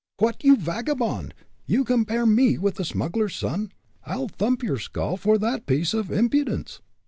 "What! you vagabond! you compare me with the smuggler's son? I'll thump your skull for that piece of impudence."